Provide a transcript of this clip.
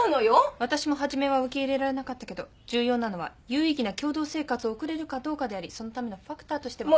私も初めは受け入れられなかったけど重要なのは有意義な共同生活を送れるかどうかでありそのためのファクターとしては。